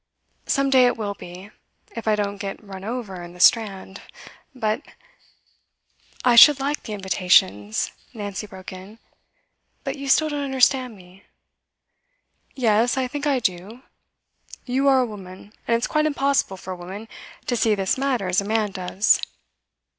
Some day it will be, if I don't get run over in the Strand; but ' 'I should like the invitations,' Nancy broke in, 'but you still don't understand me.' 'Yes, I think I do. You are a woman, and it's quite impossible for a woman to see this matter as a man does.